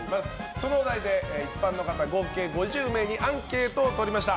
そのお題で一般の方合計５０名にアンケートを取りました。